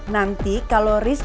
nanti kalau rizky udah dateng